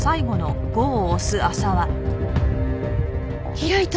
開いた！